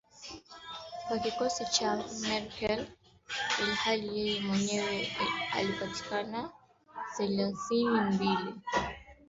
kwa kikosi cha Merkl ilhali yeye mwenyewe alipata theluthi mbili yaani zaidi ya rupia